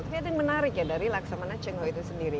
tapi ada yang menarik ya dari laksamana cheng ho itu sendiri